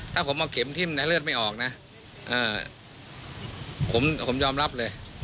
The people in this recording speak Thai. ถ้าผมเอาเข็มทิ้มในเลือดไม่ออกนะผมยอมรับเลย